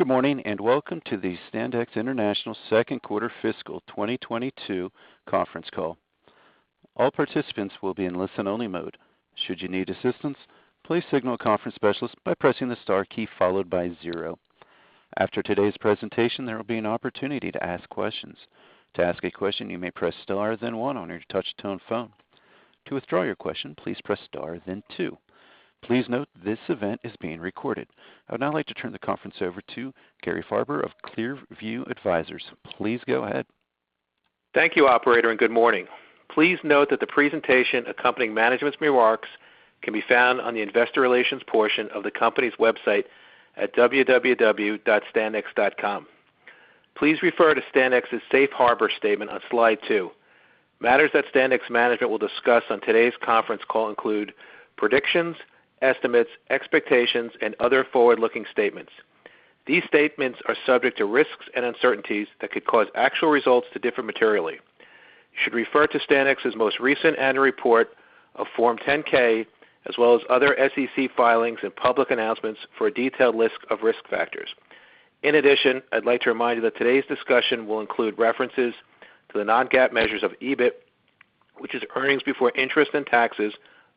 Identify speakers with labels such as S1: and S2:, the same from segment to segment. S1: Good morning, and welcome to the Standex International second quarter fiscal 2022 conference call. All participants will be in listen-only mode. Should you need assistance, please signal a conference specialist by pressing the star key followed by zero. After today's presentation, there will be an opportunity to ask questions. To ask a question, you may press star then one on your touch-tone phone. To withdraw your question, please press star then two. Please note this event is being recorded. I would now like to turn the conference over to Gary Farber of ClearView Advisors. Please go ahead.
S2: Thank you, operator, and good morning. Please note that the presentation accompanying management's remarks can be found on the investor relations portion of the company's website at www.standex.com. Please refer to Standex's safe harbor statement on slide two. Matters that Standex management will discuss on today's conference call include predictions, estimates, expectations, and other forward-looking statements. These statements are subject to risks and uncertainties that could cause actual results to differ materially. You should refer to Standex's most recent annual report of Form 10-K, as well as other SEC filings and public announcements for a detailed list of risk factors. In addition, I'd like to remind you that today's discussion will include references to the non-GAAP measures of EBIT, which is earnings before interest and taxes.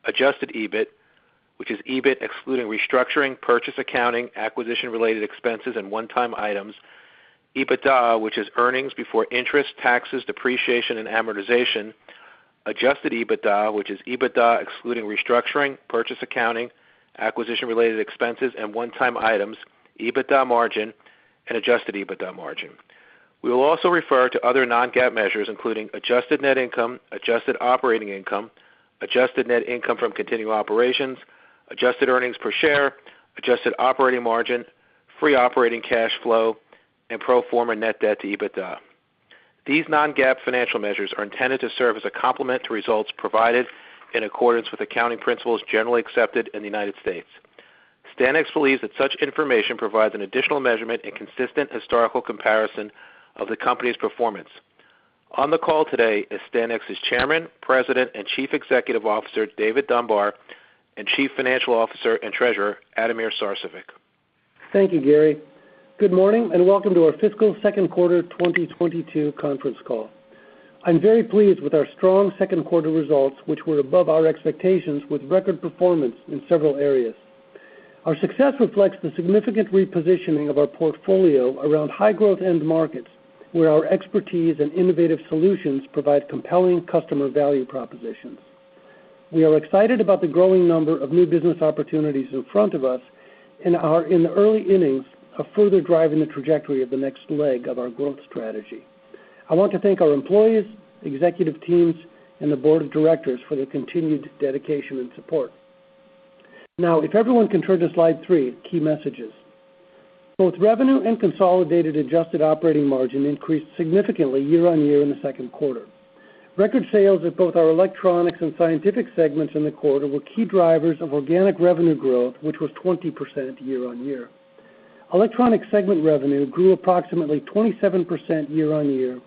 S2: Adjusted EBIT, which is EBIT excluding restructuring, purchase accounting, acquisition-related expenses, and one-time items. EBITDA, which is earnings before interest, taxes, depreciation, and amortization. Adjusted EBITDA, which is EBITDA excluding restructuring, purchase accounting, acquisition-related expenses, and one-time items. EBITDA margin, and adjusted EBITDA margin. We will also refer to other non-GAAP measures, including adjusted net income, adjusted operating income, adjusted net income from continuing operations, adjusted earnings per share, adjusted operating margin, free operating cash flow, and pro forma net debt to EBITDA. These non-GAAP financial measures are intended to serve as a complement to results provided in accordance with accounting principles generally accepted in the United States. Standex believes that such information provides an additional measurement and consistent historical comparison of the company's performance. On the call today is Standex's Chairman, President, and Chief Executive Officer, David Dunbar, and Chief Financial Officer and Treasurer, Ademir Sarcevic.
S3: Thank you, Gary. Good morning, and welcome to our fiscal second quarter 2022 conference call. I'm very pleased with our strong second quarter results, which were above our expectations with record performance in several areas. Our success reflects the significant repositioning of our portfolio around high-growth end markets, where our expertise and innovative solutions provide compelling customer value propositions. We are excited about the growing number of new business opportunities in front of us and are in the early innings of further driving the trajectory of the next leg of our growth strategy. I want to thank our employees, executive teams, and the board of directors for their continued dedication and support. Now, if everyone can turn to slide 3, Key Messages. Both revenue and consolidated adjusted operating margin increased significantly year-on-year in the second quarter. Record sales at both our Electronics and Scientific segments in the quarter were key drivers of organic revenue growth, which was 20% year-over-year. Electronics segment revenue grew approximately 27% year-over-year,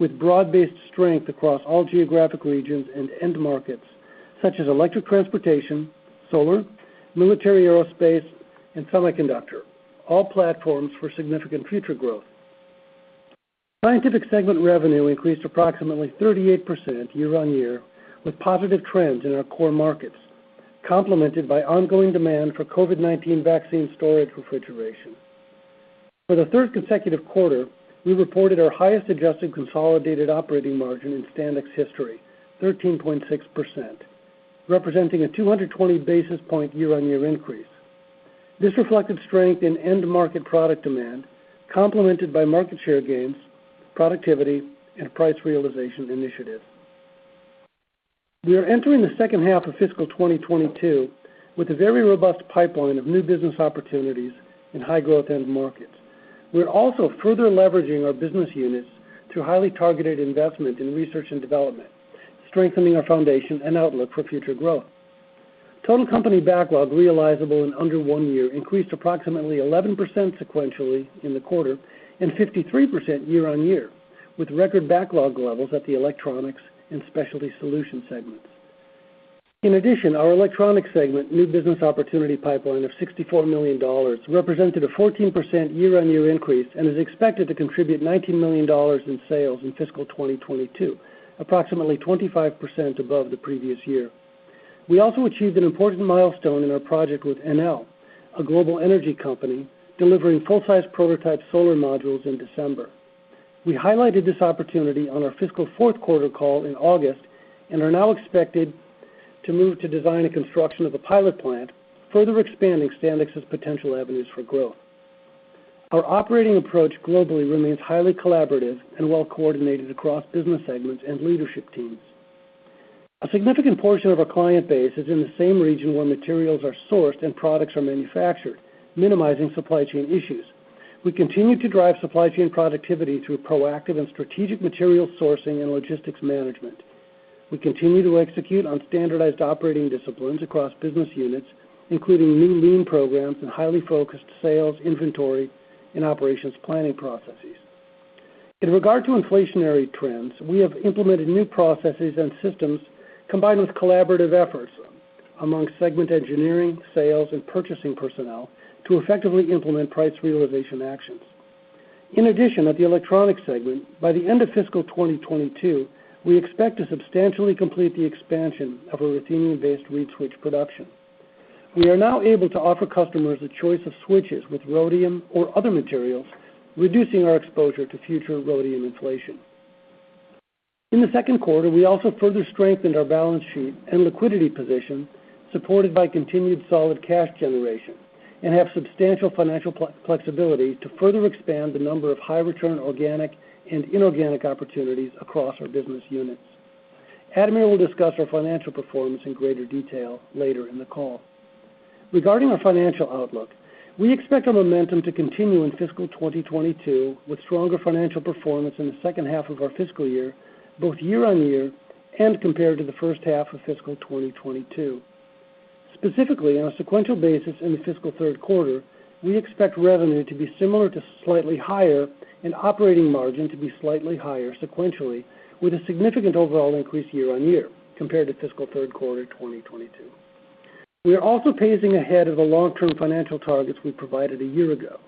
S3: with broad-based strength across all geographic regions and end markets, such as electric transportation, solar, military aerospace, and semiconductor, all platforms for significant future growth. Scientific segment revenue increased approximately 38% year-over-year, with positive trends in our core markets, complemented by ongoing demand for COVID-19 vaccine storage refrigeration. For the third consecutive quarter, we reported our highest adjusted consolidated operating margin in Standex history, 13.6%, representing a 220 basis points year-over-year increase. This reflected strength in end-market product demand, complemented by market share gains, productivity, and price realization initiatives. We are entering the second half of fiscal 2022 with a very robust pipeline of new business opportunities in high-growth end markets. We are also further leveraging our business units through highly targeted investment in research and development, strengthening our foundation and outlook for future growth. Total company backlog realizable in under one year increased approximately 11% sequentially in the quarter and 53% year-over-year, with record backlog levels at the Electronics and Specialty Solutions segments. In addition, our Electronics segment new business opportunity pipeline of $64 million represented a 14% year-over-year increase and is expected to contribute $19 million in sales in fiscal 2022, approximately 25% above the previous year. We also achieved an important milestone in our project with Enel, a global energy company, delivering full-size prototype solar modules in December. We highlighted this opportunity on our fiscal fourth quarter call in August and are now expected to move to design and construction of a pilot plant, further expanding Standex's potential avenues for growth. Our operating approach globally remains highly collaborative and well-coordinated across business segments and leadership teams. A significant portion of our client base is in the same region where materials are sourced and products are manufactured, minimizing supply chain issues. We continue to drive supply chain productivity through proactive and strategic material sourcing and logistics management. We continue to execute on standardized operating disciplines across business units, including new lean programs and highly focused sales, inventory, and operations planning processes. In regard to inflationary trends, we have implemented new processes and systems combined with collaborative efforts among segment engineering, sales, and purchasing personnel to effectively implement price realization actions. In addition, at the Electronics segment, by the end of fiscal 2022, we expect to substantially complete the expansion of our ruthenium-based reed switch production. We are now able to offer customers a choice of switches with rhodium or other materials, reducing our exposure to future rhodium inflation. In the second quarter, we also further strengthened our balance sheet and liquidity position, supported by continued solid cash generation, and have substantial financial flexibility to further expand the number of high return organic and inorganic opportunities across our business units. Ademir will discuss our financial performance in greater detail later in the call. Regarding our financial outlook, we expect our momentum to continue in fiscal 2022, with stronger financial performance in the second half of our fiscal year, both year-on-year and compared to the first half of fiscal 2022. Specifically, on a sequential basis in the fiscal third quarter, we expect revenue to be similar to slightly higher and operating margin to be slightly higher sequentially, with a significant overall increase year-on-year compared to fiscal third quarter 2022. We are also pacing ahead of the long-term financial targets we provided a year ago.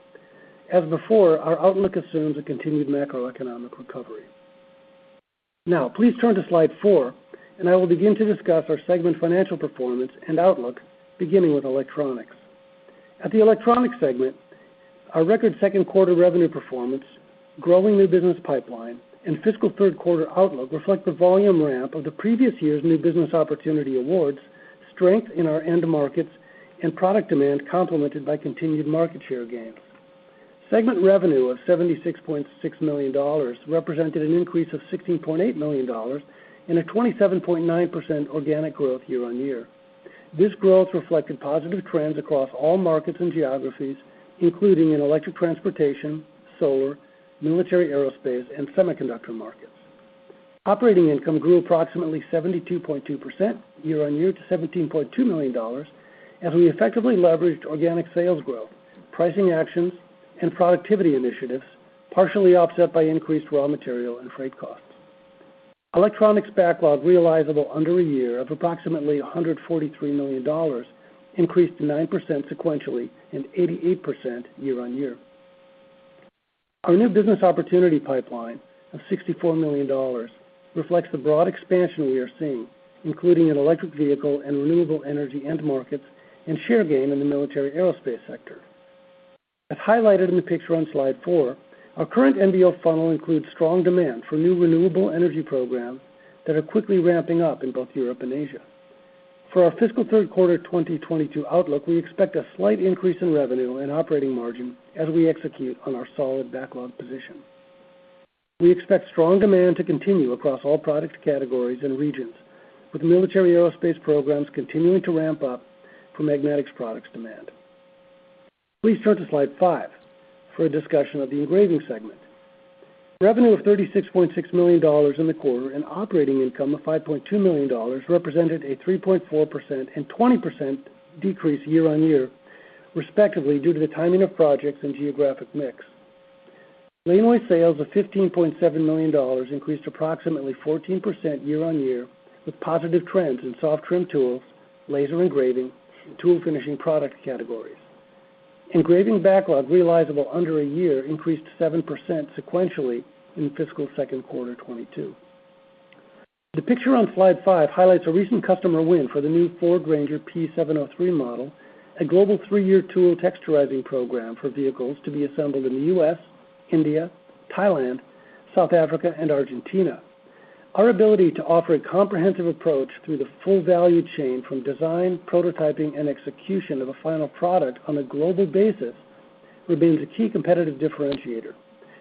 S3: As before, our outlook assumes a continued macroeconomic recovery. Now please turn to slide 4, and I will begin to discuss our segment financial performance and outlook, beginning with Electronics. At the Electronics segment, our record second quarter revenue performance, growing new business pipeline, and fiscal third quarter outlook reflect the volume ramp of the previous year's new business opportunity awards, strength in our end markets and product demand complemented by continued market share gains. Segment revenue of $76.6 million represented an increase of $16.8 million and a 27.9% organic growth year-on-year. This growth reflected positive trends across all markets and geographies, including in electric transportation, solar, military/aerospace, and semiconductor markets. Operating income grew approximately 72.2% year-on-year to $17.2 million, as we effectively leveraged organic sales growth, pricing actions, and productivity initiatives, partially offset by increased raw material and freight costs. Electronics backlog realizable under a year of approximately $143 million increased 9% sequentially and 88% year-on-year. Our new business opportunity pipeline of $64 million reflects the broad expansion we are seeing, including in electric vehicle and renewable energy end markets and share gain in the military/aerospace sector. As highlighted in the picture on slide four, our current NBO funnel includes strong demand for new renewable energy programs that are quickly ramping up in both Europe and Asia. For our fiscal third quarter 2022 outlook, we expect a slight increase in revenue and operating margin as we execute on our solid backlog position. We expect strong demand to continue across all product categories and regions, with military/aerospace programs continuing to ramp up for Magnetics' products demand. Please turn to slide 5 for a discussion of the Engraving segment. Revenue of $36.6 million in the quarter and operating income of $5.2 million represented a 3.4% and 20% decrease year-on-year, respectively, due to the timing of projects and geographic mix. Engraving sales of $15.7 million increased approximately 14% year-on-year, with positive trends in soft trim tools, laser engraving, and tool finishing product categories. Engraving backlog realizable under a year increased 7% sequentially in fiscal second quarter 2022. The picture on slide 5 highlights a recent customer win for the new Ford Ranger P703 model, a global three-year tool texturizing program for vehicles to be assembled in the U.S., India, Thailand, South Africa, and Argentina. Our ability to offer a comprehensive approach through the full value chain from design, prototyping, and execution of a final product on a global basis remains a key competitive differentiator,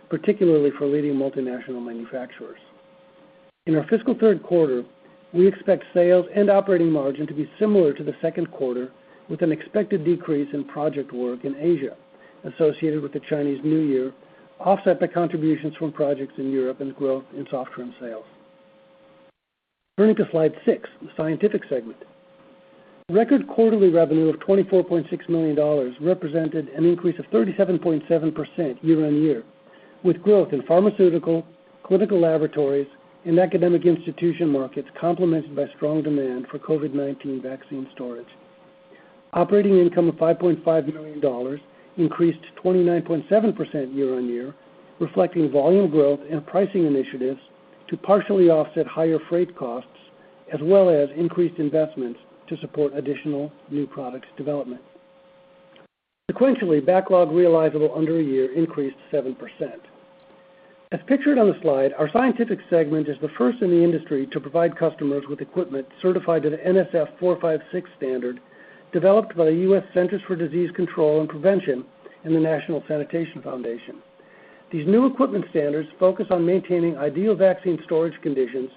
S3: particularly for leading multinational manufacturers. In our fiscal third quarter, we expect sales and operating margin to be similar to the second quarter, with an expected decrease in project work in Asia associated with the Chinese New Year, offset by contributions from projects in Europe and growth in soft trim sales. Turning to slide 6, the Scientific segment. Record quarterly revenue of $24.6 million represented an increase of 37.7% year-on-year, with growth in pharmaceutical, clinical laboratories, and academic institution markets, complemented by strong demand for COVID-19 vaccine storage. Operating income of $5.5 million increased 29.7% year-on-year, reflecting volume growth and pricing initiatives to partially offset higher freight costs as well as increased investments to support additional new products development. Sequentially, backlog realizable under a year increased 7%. As pictured on the slide, our Scientific segment is the first in the industry to provide customers with equipment certified to the NSF/ANSI 456 standard developed by the U.S. Centers for Disease Control and Prevention and the National Sanitation Foundation. These new equipment standards focus on maintaining ideal vaccine storage conditions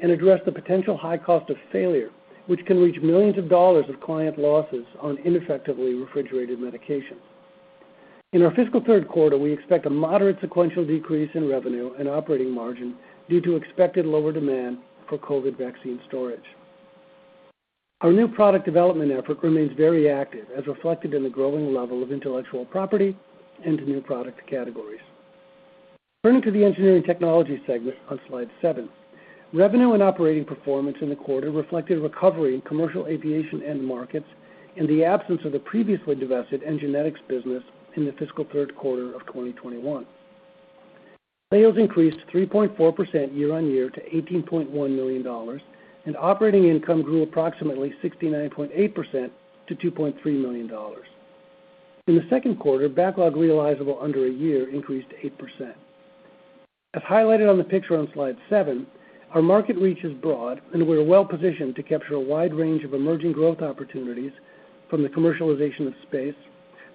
S3: and address the potential high cost of failure, which can reach millions of dollars of client losses on ineffectively refrigerated medication. In our fiscal third quarter, we expect a moderate sequential decrease in revenue and operating margin due to expected lower demand for COVID vaccine storage. Our new product development effort remains very active, as reflected in the growing level of intellectual property into new product categories. Turning to the Engineering Technologies segment on slide 7. Revenue and operating performance in the quarter reflected recovery in commercial aviation end markets, in the absence of the previously divested Enginetics business in the fiscal third quarter of 2021. Sales increased 3.4% year-on-year to $18.1 million, and operating income grew approximately 69.8% to $2.3 million. In the second quarter, backlog realizable under a year increased 8%. As highlighted on the picture on slide 7, our market reach is broad, and we're well-positioned to capture a wide range of emerging growth opportunities from the commercialization of space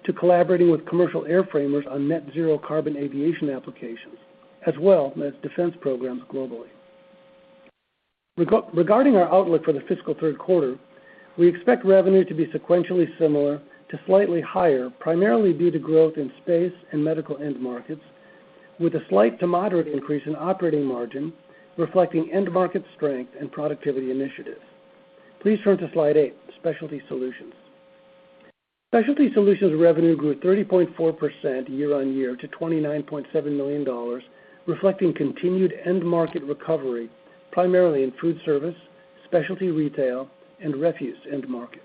S3: to collaborating with commercial airframers on net zero carbon aviation applications, as well as defense programs globally. Regarding our outlook for the fiscal third quarter, we expect revenue to be sequentially similar to slightly higher, primarily due to growth in space and medical end markets, with a slight to moderate increase in operating margin reflecting end market strength and productivity initiatives. Please turn to slide 8, Specialty Solutions. Specialty Solutions revenue grew 30.4% year-on-year to $29.7 million, reflecting continued end market recovery, primarily in food service, specialty retail, and refuse end markets.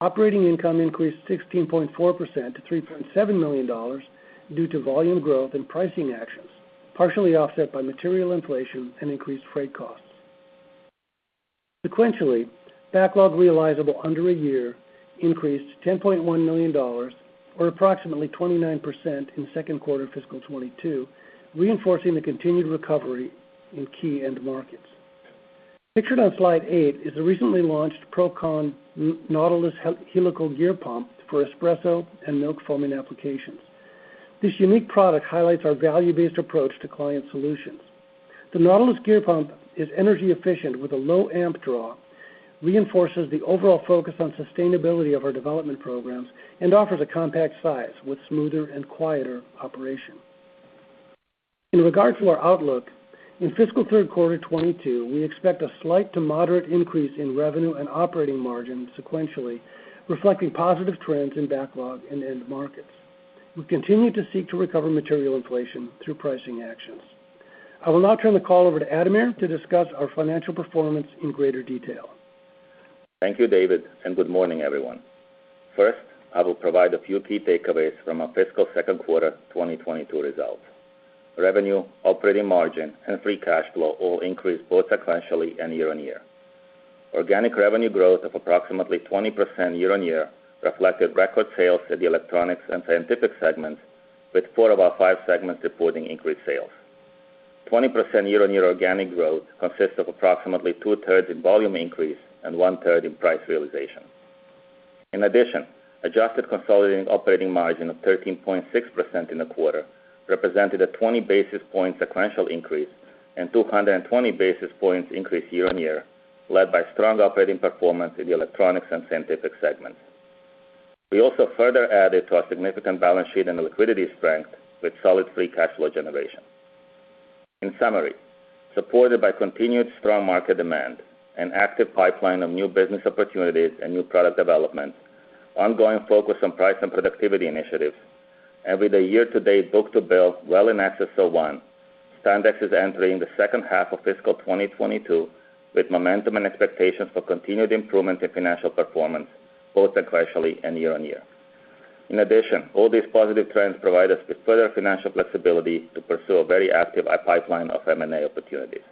S3: Operating income increased 16.4% to $3.7 million due to volume growth and pricing actions, partially offset by material inflation and increased freight costs. Sequentially, backlog realizable under a year increased $10.1 million or approximately 29% in second quarter fiscal 2022, reinforcing the continued recovery in key end markets. Pictured on slide 8 is a recently launched ProCon Nautilus helical gear pump for espresso and milk foaming applications. This unique product highlights our value-based approach to client solutions. The Nautilus gear pump is energy efficient with a low amp draw, reinforces the overall focus on sustainability of our development programs, and offers a compact size with smoother and quieter operation. In regard to our outlook, in fiscal third quarter 2022, we expect a slight to moderate increase in revenue and operating margin sequentially, reflecting positive trends in backlog and end markets. We continue to seek to recover material inflation through pricing actions. I will now turn the call over to Ademir to discuss our financial performance in greater detail.
S4: Thank you, David, and good morning, everyone. First, I will provide a few key takeaways from our fiscal second quarter 2022 results. Revenue, operating margin, and free cash flow all increased both sequentially and year-on-year. Organic revenue growth of approximately 20% year-on-year reflected record sales in the Electronics and Scientific segments, with four of our five segments reporting increased sales. 20% year-on-year organic growth consists of approximately two-thirds in volume increase and one-third in price realization. In addition, adjusted consolidated operating margin of 13.6% in the quarter represented a 20 basis point sequential increase and 220 basis points increase year-on-year, led by strong operating performance in the Electronics and Scientific segments. We also further added to our significant balance sheet and liquidity strength with solid free cash flow generation. In summary, supported by continued strong market demand, an active pipeline of new business opportunities and new product development, ongoing focus on price and productivity initiatives, and with a year-to-date book-to-bill well in excess of one, Standex is entering the second half of fiscal 2022 with momentum and expectations for continued improvement in financial performance, both sequentially and year-on-year. In addition, all these positive trends provide us with further financial flexibility to pursue a very active pipeline of M&A opportunities.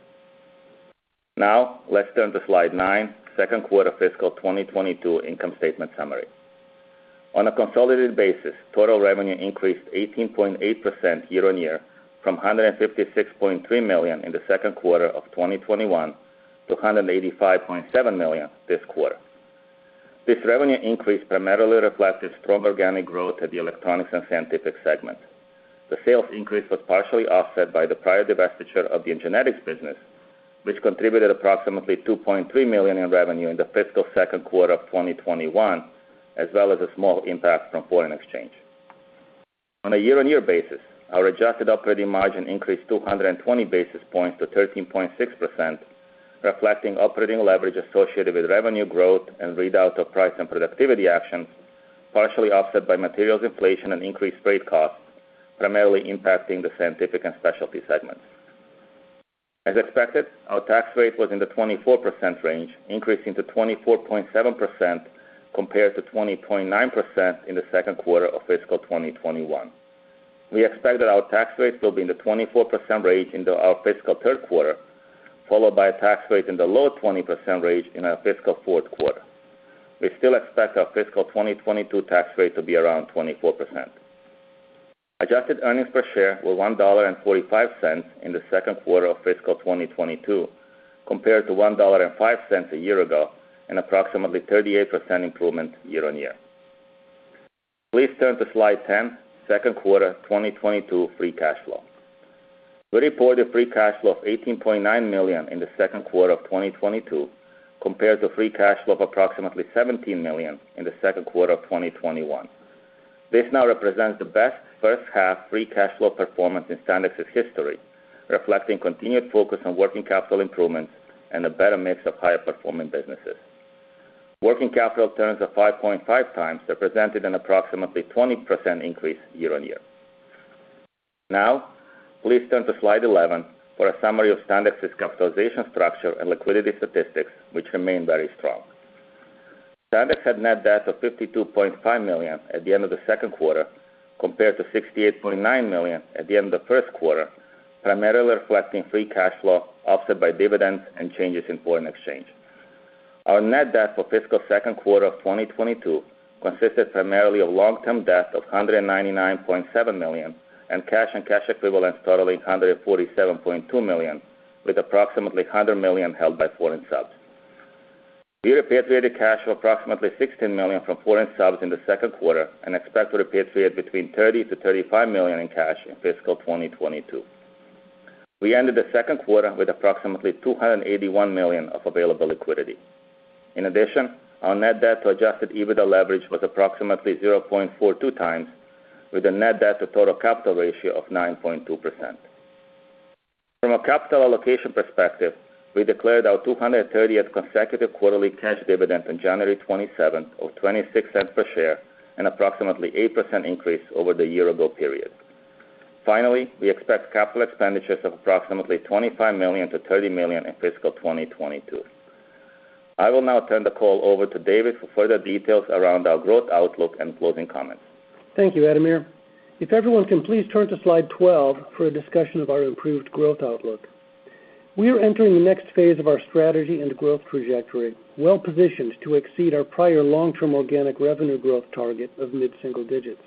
S4: Now let's turn to slide 9, second quarter fiscal 2022 income statement summary. On a consolidated basis, total revenue increased 18.8% year-on-year from $156.3 million in the second quarter of 2021 to $185.7 million this quarter. This revenue increase primarily reflected strong organic growth at the Electronics and Scientific segment. The sales increase was partially offset by the prior divestiture of the Enginetics business, which contributed approximately $2.3 million in revenue in the fiscal second quarter of 2021, as well as a small impact from foreign exchange. On a year-on-year basis, our adjusted operating margin increased 220 basis points to 13.6%, reflecting operating leverage associated with revenue growth and readout of price and productivity actions, partially offset by materials inflation and increased freight costs, primarily impacting the Scientific and Specialty segments. As expected, our tax rate was in the 24% range, increasing to 24.7% compared to 20.9% in the second quarter of fiscal 2021. We expect that our tax rates will be in the 24% range into our fiscal third quarter, followed by a tax rate in the low 20% range in our fiscal fourth quarter. We still expect our fiscal 2022 tax rate to be around 24%. Adjusted earnings per share were $1.45 in the second quarter of fiscal 2022, compared to $1.05 a year ago, an approximately 38% improvement year-on-year. Please turn to slide 10, second quarter 2022 free cash flow. We reported free cash flow of $18.9 million in the second quarter of 2022, compared to free cash flow of approximately $17 million in the second quarter of 2021. This now represents the best first half free cash flow performance in Standex's history, reflecting continued focus on working capital improvements and a better mix of higher performing businesses. Working capital turns of 5.5 times represented an approximately 20% increase year-on-year. Now, please turn to slide 11 for a summary of Standex's capitalization structure and liquidity statistics, which remain very strong. Standex had net debt of $52.5 million at the end of the second quarter, compared to $68.9 million at the end of the first quarter, primarily reflecting free cash flow offset by dividends and changes in foreign exchange. Our net debt for fiscal second quarter of 2022 consisted primarily of long-term debt of $199.7 million, and cash and cash equivalents totaling $147.2 million, with approximately $100 million held by foreign subs. We repatriated cash of approximately $16 million from foreign subs in the second quarter and expect to repatriate between $30 million-$35 million in cash in fiscal 2022. We ended the second quarter with approximately $281 million of available liquidity. In addition, our net debt to adjusted EBITDA leverage was approximately 0.42x, with a net debt to total capital ratio of 9.2%. From a capital allocation perspective, we declared our 230th consecutive quarterly cash dividend on January 27th of $0.26 per share, an approximately 8% increase over the year-ago period. Finally, we expect capital expenditures of approximately $25 million-$30 million in fiscal 2022. I will now turn the call over to David for further details around our growth outlook and closing comments.
S3: Thank you, Ademir. If everyone can please turn to slide 12 for a discussion of our improved growth outlook. We are entering the next phase of our strategy and growth trajectory, well-positioned to exceed our prior long-term organic revenue growth target of mid-single digits.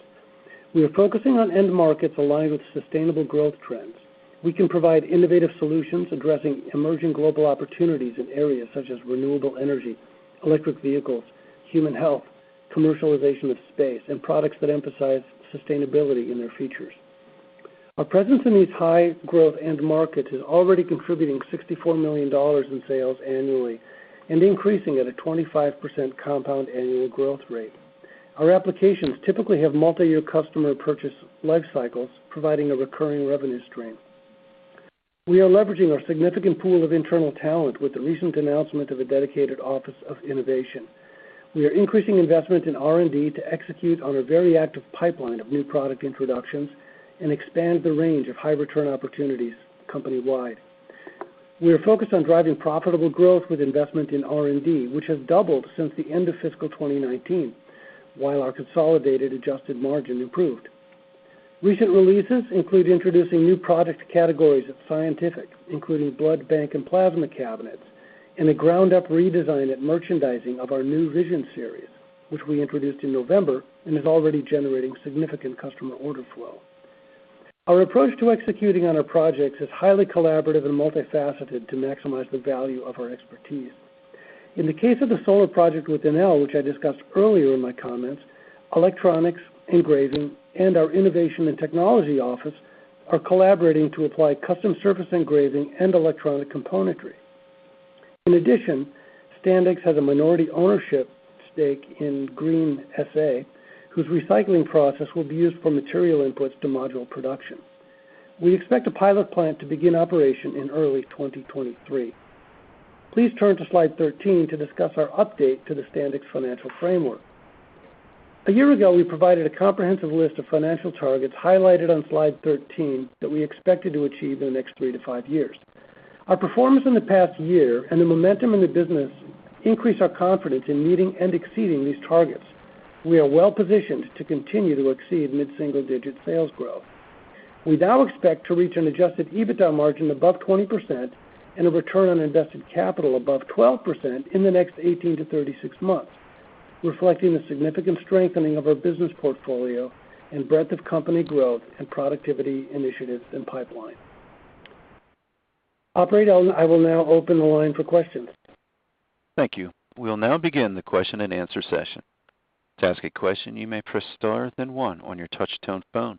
S3: We are focusing on end markets aligned with sustainable growth trends. We can provide innovative solutions addressing emerging global opportunities in areas such as renewable energy, electric vehicles, human health, commercialization of space, and products that emphasize sustainability in their features. Our presence in these high-growth end markets is already contributing $64 million in sales annually and increasing at a 25% compound annual growth rate. Our applications typically have multiyear customer purchase life cycles, providing a recurring revenue stream. We are leveraging our significant pool of internal talent with the recent announcement of a dedicated office of innovation. We are increasing investment in R&D to execute on a very active pipeline of new product introductions and expand the range of high return opportunities company-wide. We are focused on driving profitable growth with investment in R&D, which has doubled since the end of fiscal 2019, while our consolidated adjusted margin improved. Recent releases include introducing new product categories at Scientific, including blood bank and plasma cabinets, and a ground-up redesign and merchandising of our new Vision Series, which we introduced in November and is already generating significant customer order flow. Our approach to executing on our projects is highly collaborative and multifaceted to maximize the value of our expertise. In the case of the solar project with Enel, which I discussed earlier in my comments, Electronics, Engraving, and our Innovation and Technology office are collaborating to apply custom surface engraving and electronic componentry. In addition, Standex has a minority ownership stake in Gr3n SA, whose recycling process will be used for material inputs to module production. We expect a pilot plant to begin operation in early 2023. Please turn to slide 13 to discuss our update to the Standex financial framework. A year ago, we provided a comprehensive list of financial targets highlighted on slide 13 that we expected to achieve in the next 3-5 years. Our performance in the past year and the momentum in the business increase our confidence in meeting and exceeding these targets. We are well-positioned to continue to exceed mid-single-digit sales growth. We now expect to reach an adjusted EBITDA margin above 20% and a return on invested capital above 12% in the next 18-36 months, reflecting the significant strengthening of our business portfolio and breadth of company growth and productivity initiatives and pipeline. Operator, I will now open the line for questions.
S1: Thank you. We'll now begin the question-and-answer session. To ask a question, you may press star then one on your touch-tone phone.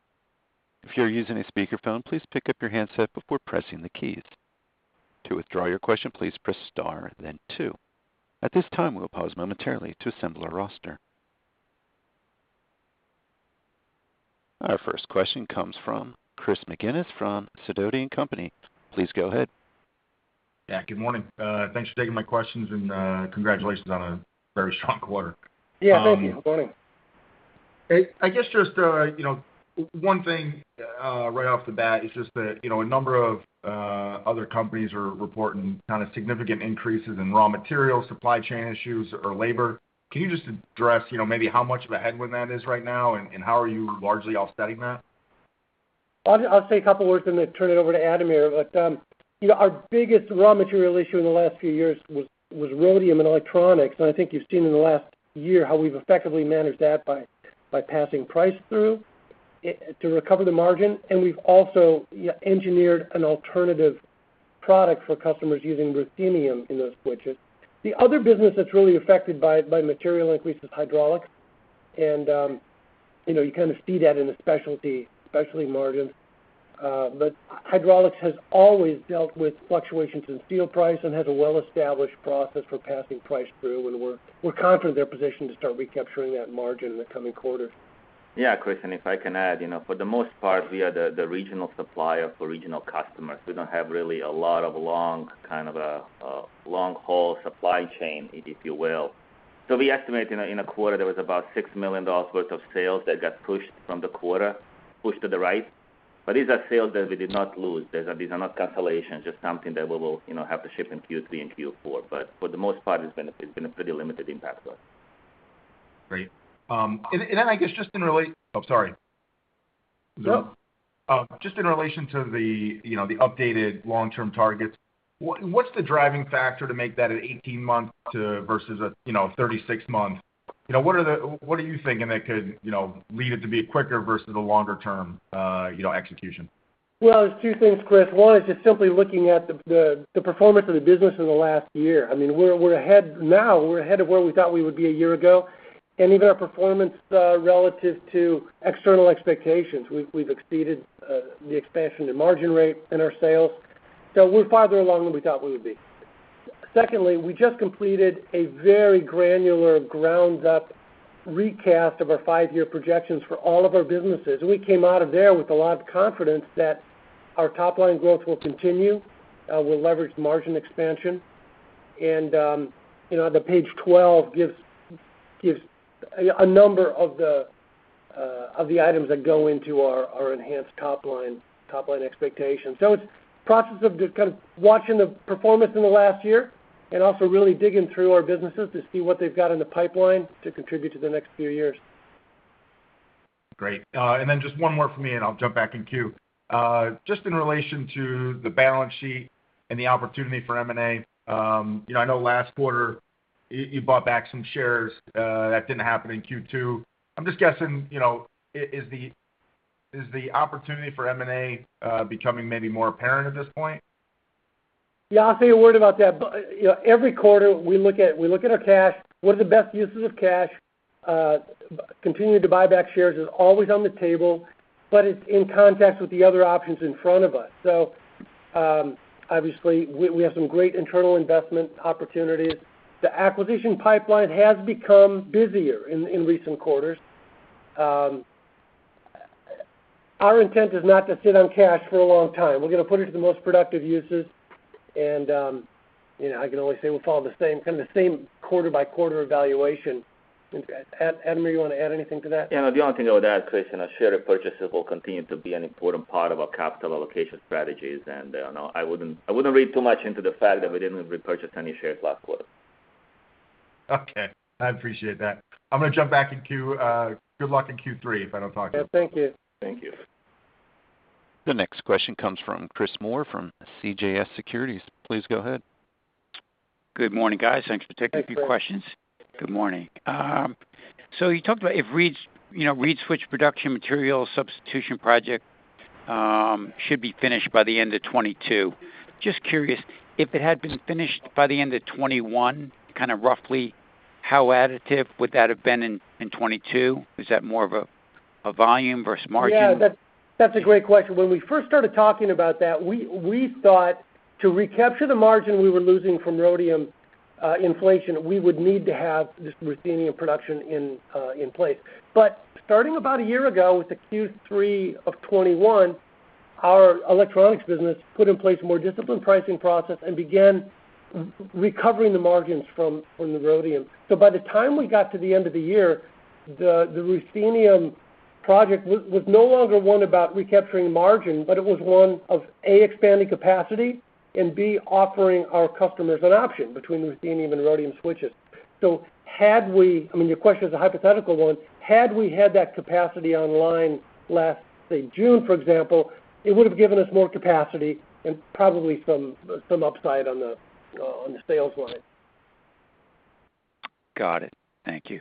S1: If you're using a speakerphone, please pick up your handset before pressing the keys. To withdraw your question, please press star then two. At this time, we'll pause momentarily to assemble our roster. Our first question comes from Chris McGinnis from Sidoti & Company. Please go ahead.
S5: Yeah, good morning. Thanks for taking my questions, and congratulations on a very strong quarter.
S3: Yeah, thank you. Good morning.
S5: I guess just one thing right off the bat is just that you know a number of other companies are reporting kind of significant increases in raw materials, supply chain issues or labor. Can you just address you know maybe how much of a headwind that is right now and how are you largely offsetting that?
S3: I'll say a couple words then turn it over to Ademir. You know, our biggest raw material issue in the last few years was rhodium in Electronics, and I think you've seen in the last year how we've effectively managed that by passing price through to recover the margin. We've also engineered an alternative product for customers using ruthenium in those switches. The other business that's really affected by material increases is Hydraulics. You know, you kind of see that in the specialty margins, but Hydraulics has always dealt with fluctuations in steel price and has a well-established process for passing price through, and we're confident they're positioned to start recapturing that margin in the coming quarters.
S4: Yeah. Chris, if I can add, you know, for the most part, we are the regional supplier for regional customers. We don't have really a lot of long kind of a long-haul supply chain, if you will. So we estimate in a quarter, there was about $6 million worth of sales that got pushed from the quarter, pushed to the right. But these are sales that we did not lose. These are not cancellations, just something that we will, you know, have to ship in Q3 and Q4. But for the most part, it's been a pretty limited impact to us.
S5: Great. Oh, sorry.
S3: Nope.
S5: Oh, just in relation to the, you know, the updated long-term targets, what's the driving factor to make that an 18-month to versus a, you know, 36-month? You know, what are you thinking that could, you know, lead it to be quicker versus the longer term, you know, execution?
S3: Well, there's two things, Chris. One is just simply looking at the performance of the business in the last year. I mean, we're ahead now. We're ahead of where we thought we would be a year ago. Even our performance relative to external expectations, we've exceeded the expansion in margin rate in our sales. We're farther along than we thought we would be. Secondly, we just completed a very granular ground up recast of our five-year projections for all of our businesses. We came out of there with a lot of confidence that our top line growth will continue. We'll leverage margin expansion. You know, the page 12 gives a number of the items that go into our enhanced top line expectations. It's a process of just kind of watching the performance in the last year and also really digging through our businesses to see what they've got in the pipeline to contribute to the next few years.
S5: Great. Just one more from me, and I'll jump back in queue. Just in relation to the balance sheet and the opportunity for M&A, you know, I know last quarter you bought back some shares. That didn't happen in Q2. I'm just guessing, you know, is the opportunity for M&A becoming maybe more apparent at this point?
S3: Yeah, I'll say a word about that. You know, every quarter we look at our cash. What are the best uses of cash? Continuing to buy back shares is always on the table, but it's in context with the other options in front of us. Obviously we have some great internal investment opportunities. The acquisition pipeline has become busier in recent quarters. Our intent is not to sit on cash for a long time. We're gonna put it to the most productive uses and, you know, I can only say we'll follow the same kind of quarter-by-quarter evaluation. Ademir, you want to add anything to that?
S4: Yeah. The only thing to add, Chris, you know, share repurchases will continue to be an important part of our capital allocation strategies. No, I wouldn't read too much into the fact that we didn't repurchase any shares last quarter.
S5: Okay. I appreciate that. I'm gonna jump back in queue. Good luck in Q3, if I don't talk to you.
S3: Yeah, thank you.
S4: Thank you.
S1: The next question comes from Christopher Moore from CJS Securities. Please go ahead.
S6: Good morning, guys. Thanks for taking a few questions.
S3: Good morning.
S6: Good morning. You talked about the reed switch production material substitution project should be finished by the end of 2022. Just curious, if it had been finished by the end of 2021, kind of roughly how additive would that have been in 2022? Is that more of a volume versus margin?
S3: Yeah. That's a great question. When we first started talking about that, we thought to recapture the margin we were losing from rhodium inflation, we would need to have this ruthenium production in place. Starting about a year ago with the Q3 of 2021, our Electronics business put in place a more disciplined pricing process and began recovering the margins from the rhodium. By the time we got to the end of the year, the ruthenium project was no longer one about recapturing margin, but it was one of, A, expanding capacity and B, offering our customers an option between ruthenium and rhodium switches. I mean, your question is a hypothetical one. Had we had that capacity online last, say, June, for example, it would have given us more capacity and probably some upside on the sales line.
S6: Got it. Thank you.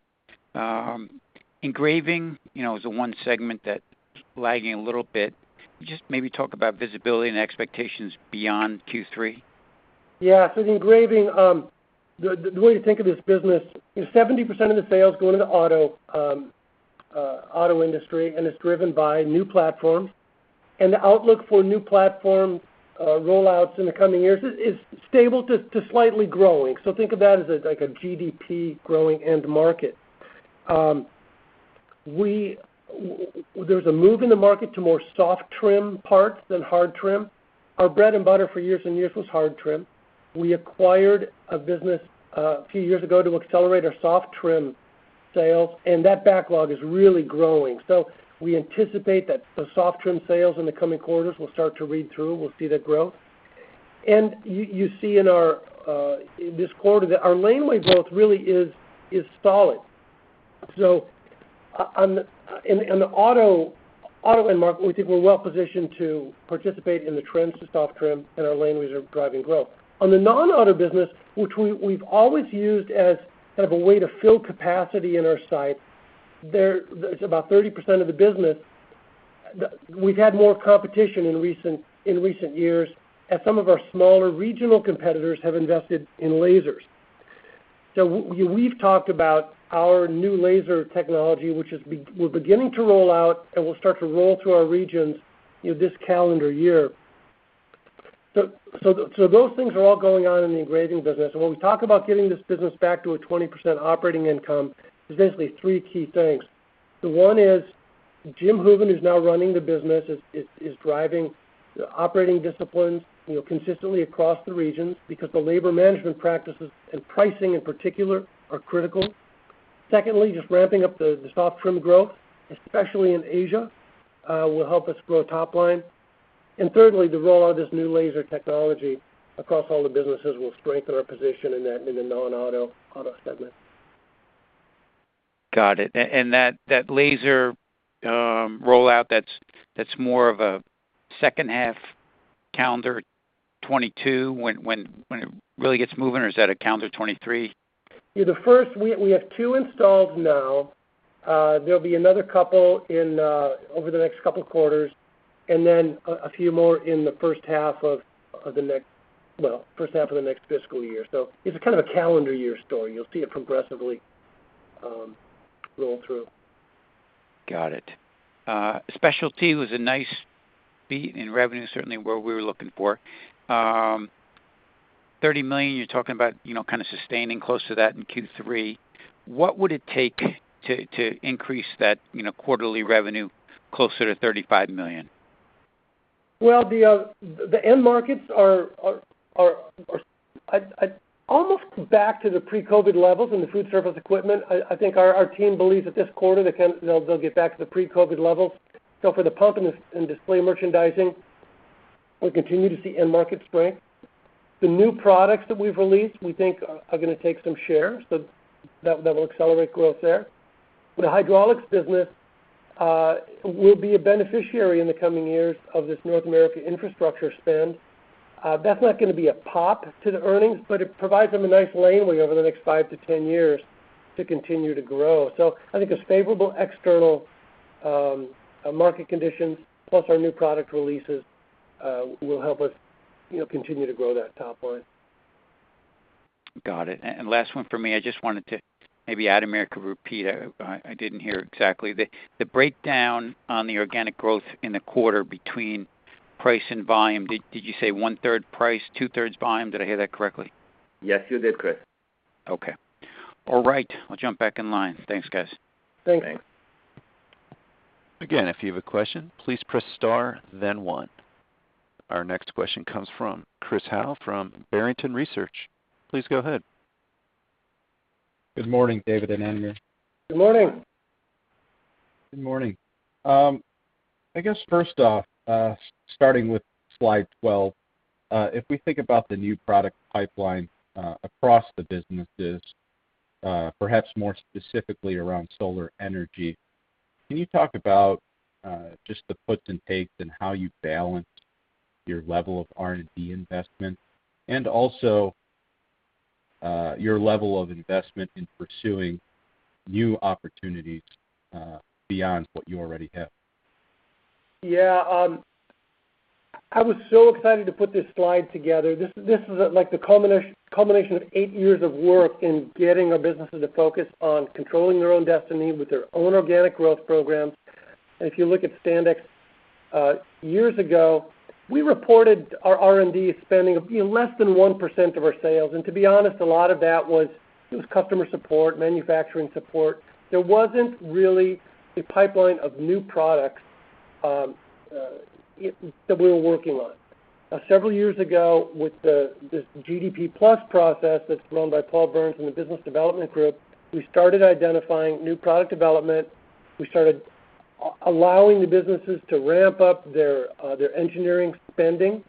S6: Engraving, you know, is the one segment that's lagging a little bit. Can you just maybe talk about visibility and expectations beyond Q3?
S3: Yeah. The way to think of this business is 70% of the sales go into the auto industry, and it's driven by new platforms. The outlook for new platform rollouts in the coming years is stable to slightly growing. Think of that as like a GDP growing end market. There's a move in the market to more soft trim parts than hard trim. Our bread and butter for years and years was hard trim. We acquired a business a few years ago to accelerate our soft trim sales, and that backlog is really growing. We anticipate that the soft trim sales in the coming quarters will start to read through. We'll see that growth. You see our Engraving growth in this quarter really is solid. In the auto end market, we think we're well positioned to participate in the trends to soft trim and our laneways are driving growth. On the non-auto business, which we've always used as kind of a way to fill capacity in our site, there it's about 30% of the business. We've had more competition in recent years, as some of our smaller regional competitors have invested in lasers. We've talked about our new laser technology, which we're beginning to roll out, and we'll start to roll through our regions, you know, this calendar year. Those things are all going on in the Engraving business. When we talk about getting this business back to a 20% operating income, there's basically three key things. The one is James Hooven, who's now running the business, is driving the operating disciplines, you know, consistently across the regions because the labor management practices and pricing, in particular, are critical. Secondly, just ramping up the soft trim growth, especially in Asia, will help us grow top line. Thirdly, the roll out of this new laser technology across all the businesses will strengthen our position in the non-auto auto segment.
S6: Got it. That laser rollout, that's more of a second half calendar 2022 when it really gets moving or is that a calendar 2023?
S3: Yeah, we have two installs now. There'll be another couple in over the next couple quarters, and then a few more in the first half of the next fiscal year. Well, first half of the next fiscal year. It's kind of a calendar year story. You'll see it progressively roll through.
S6: Got it. Specialty was a nice beat in revenue, certainly where we were looking for. $30 million, you're talking about, you know, kind of sustaining close to that in Q3. What would it take to increase that, you know, quarterly revenue closer to $35 million?
S3: Well, the end markets are almost back to the pre-COVID levels in the food service equipment. I think our team believes that this quarter they'll get back to the pre-COVID levels. For the pump and display merchandising, we continue to see end market strength. The new products that we've released, we think are gonna take some shares, so that will accelerate growth there. The hydraulics business will be a beneficiary in the coming years of this North American infrastructure spend. That's not gonna be a pop to the earnings, but it provides them a nice runway over the next 5-10 years to continue to grow. I think it's favorable external market conditions, plus our new product releases will help us, you know, continue to grow that top line.
S6: Got it. Last one for me, I just wanted to maybe Ademir could repeat, I didn't hear exactly. The breakdown on the organic growth in the quarter between price and volume, did you say one-third price, two-thirds volume? Did I hear that correctly?
S4: Yes, you did, Chris.
S6: Okay. All right. I'll jump back in line. Thanks, guys.
S3: Thanks.
S4: Thanks.
S1: Again, if you have a question, please press Star, then One. Our next question comes from Chris Howe from Barrington Research. Please go ahead.
S7: Good morning, David and Ademir.
S3: Good morning.
S7: Good morning. I guess first off, starting with slide 12, if we think about the new product pipeline, across the businesses, perhaps more specifically around solar energy, can you talk about, just the puts and takes and how you balance your level of R&D investment, and also, your level of investment in pursuing new opportunities, beyond what you already have?
S3: Yeah. I was so excited to put this slide together. This is like the culmination of eight years of work in getting our businesses to focus on controlling their own destiny with their own organic growth program. If you look at Standex, years ago, we reported our R&D spending of, you know, less than 1% of our sales. To be honest, a lot of that was customer support, manufacturing support. There wasn't really a pipeline of new products that we were working on. Several years ago, with this GDP Plus process that's run by Paul Burns in the business development group, we started identifying new product development. We started allowing the businesses to ramp up their engineering spending.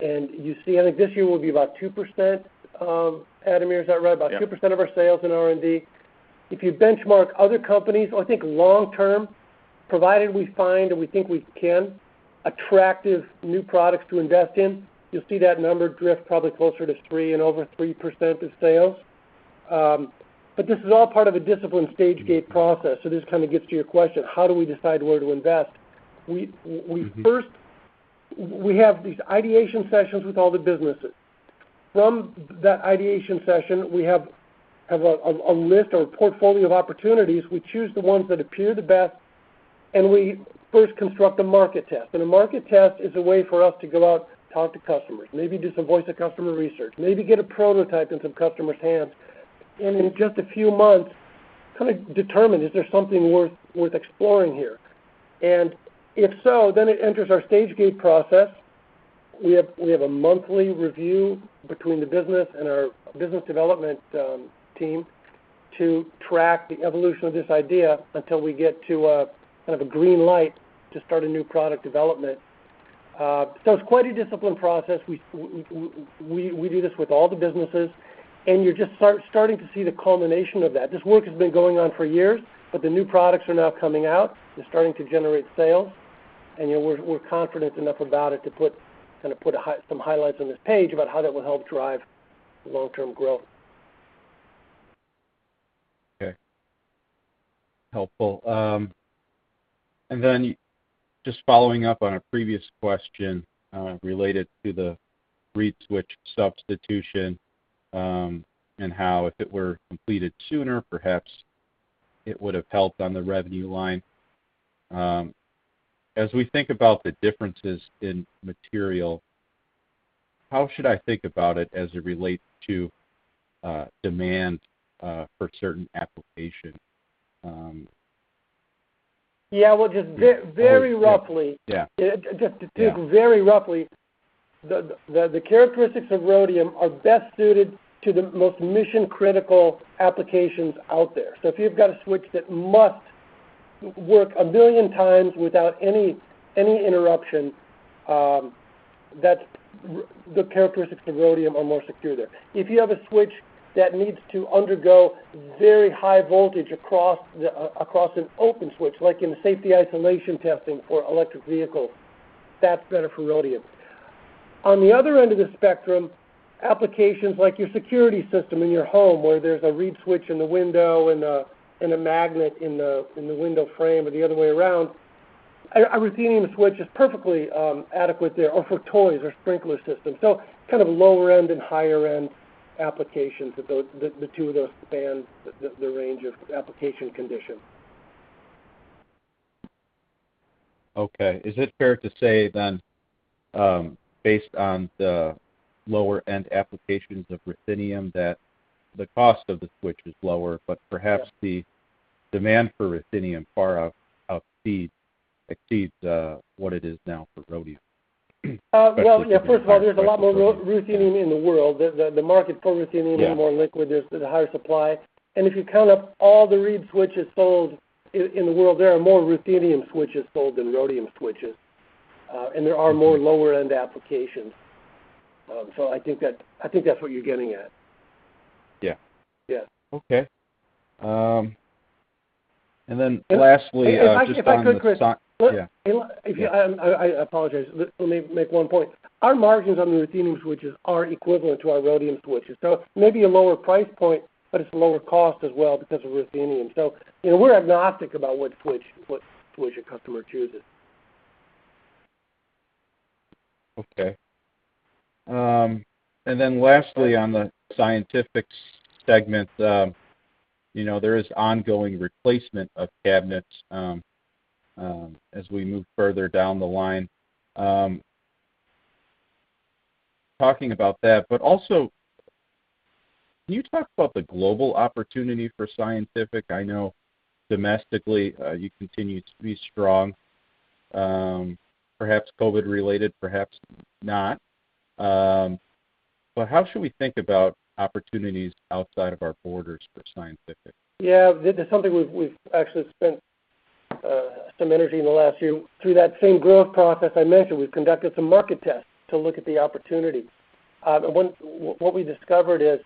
S3: You see, I think this year will be about 2%, Ademir, is that right?
S4: Yeah.
S3: About 2% of our sales in R&D. If you benchmark other companies, I think long term, provided we find, and we think we can, attractive new products to invest in, you'll see that number drift probably closer to 3% and over 3% of sales. This is all part of a disciplined Stage-Gate process. This kind of gets to your question, how do we decide where to invest? We first, we have these ideation sessions with all the businesses. From that ideation session, we have a list or a portfolio of opportunities. We choose the ones that appear the best, and we first construct a market test. A market test is a way for us to go out, talk to customers, maybe do some voice of customer research, maybe get a prototype in some customer's hands. In just a few months, kind of determine, is there something worth exploring here? If so, then it enters our Stage-Gate process. We have a monthly review between the business and our business development team to track the evolution of this idea until we get to kind of a green light to start a new product development. So it's quite a disciplined process. We do this with all the businesses, and you're just starting to see the culmination of that. This work has been going on for years, but the new products are now coming out. They're starting to generate sales. You know, we're confident enough about it to put some highlights on this page about how that will help drive long-term growth.
S7: Okay. Helpful. Just following up on a previous question related to the reed switch substitution and how if it were completed sooner, perhaps it would have helped on the revenue line. As we think about the differences in material, how should I think about it as it relates to demand for certain application?
S3: Yeah. Well, just very roughly.
S7: Yeah.
S3: Just to take very roughly, the characteristics of rhodium are best suited to the most mission-critical applications out there. If you've got a switch that must work 1 billion times without any interruption, that's the characteristics of rhodium are more secure there. If you have a switch that needs to undergo very high voltage across an open switch, like in safety isolation testing for electric vehicles, that's better for rhodium. On the other end of the spectrum, applications like your security system in your home, where there's a reed switch in the window and a magnet in the window frame or the other way around, a ruthenium switch is perfectly adequate there, or for toys or sprinkler systems. Kind of lower end and higher end applications that those two span the range of application conditions.
S7: Okay. Is it fair to say then, based on the lower end applications of ruthenium that the cost of the switch is lower, but perhaps the demand for ruthenium far exceeds what it is now for rhodium?
S3: Well, yeah, first of all, there's a lot more ruthenium in the world. The market for ruthenium-
S7: Yeah
S3: is more liquid. There's a higher supply. If you count up all the reed switches sold in the world, there are more ruthenium switches sold than rhodium switches. There are more lower end applications. I think that's what you're getting at.
S7: Yeah.
S3: Yeah.
S7: Lastly, just on the sci-
S3: If I could, Chris.
S7: Yeah.
S3: I apologize. Let me make one point. Our margins on the ruthenium switches are equivalent to our rhodium switches. Maybe a lower price point, but it's lower cost as well because of ruthenium. You know, we're agnostic about what switch a customer chooses.
S7: Okay. Then lastly, on the Scientific segment, you know, there is ongoing replacement of cabinets, as we move further down the line, talking about that. Also, can you talk about the global opportunity for Scientific? I know domestically, you continue to be strong, perhaps COVID-related, perhaps not. How should we think about opportunities outside of our borders for Scientific?
S3: Yeah. This is something we've actually spent some energy in the last year. Through that same growth process I mentioned, we've conducted some market tests to look at the opportunity. What we discovered is,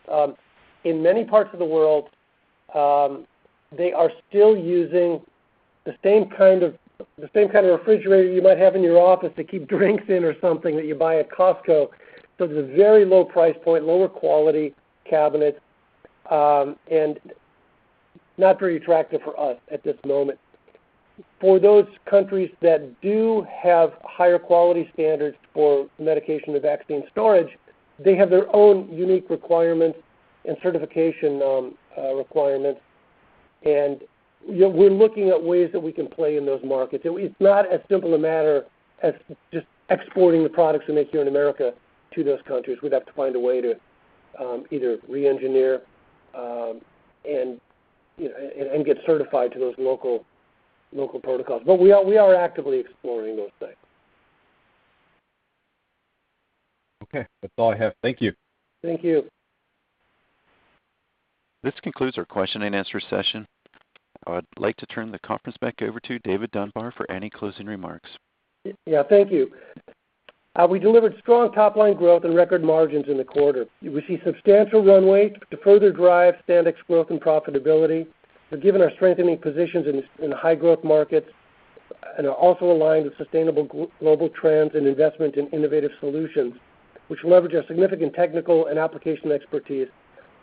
S3: in many parts of the world, they are still using the same kind of refrigerator you might have in your office to keep drinks in or something that you buy at Costco. So it's a very low price point, lower quality cabinet, and not very attractive for us at this moment. For those countries that do have higher quality standards for medication or vaccine storage, they have their own unique requirements and certification requirements. You know, we're looking at ways that we can play in those markets. It's not as simple a matter as just exporting the products we make here in America to those countries. We'd have to find a way to either re-engineer and you know and get certified to those local protocols. We are actively exploring those things.
S7: Okay. That's all I have. Thank you.
S3: Thank you.
S1: This concludes our question-and-answer session. I'd like to turn the conference back over to David Dunbar for any closing remarks.
S3: Yeah. Thank you. We delivered strong top line growth and record margins in the quarter. We see substantial runways to further drive Standex growth and profitability. Given our strengthening positions in high growth markets and we are also aligned with sustainable global trends and investment in innovative solutions, which leverage our significant technical and application expertise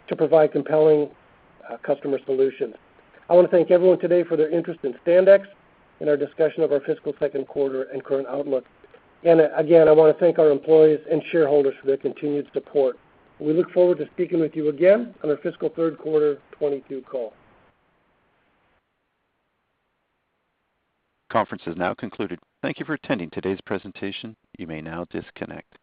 S3: to provide compelling customer solutions. I want to thank everyone today for their interest in Standex and our discussion of our fiscal second quarter and current outlook. Again, I want to thank our employees and shareholders for their continued support. We look forward to speaking with you again on our fiscal third quarter 2022 call.
S1: Conference is now concluded. Thank you for attending today's presentation. You may now disconnect.